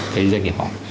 cái doanh nghiệp họ